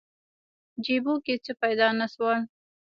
جیبو کې څه پیدا نه شول.